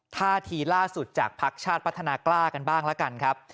ท่าทีล่าสุดจากภักดิ์ชาติพัฒนากล้ากันบ้างละกันครับ